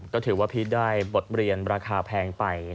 ก็ถือว่าพีชได้บทเรียนราคาแพงไป